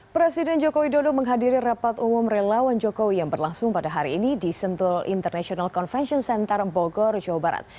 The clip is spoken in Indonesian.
presiden jokowi dodo menghadiri rapat umum relawan jokowi yang berlangsung pada hari ini di sentul international convention center bogor jawa barat